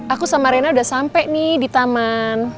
aku sama rena udah sampai nih di taman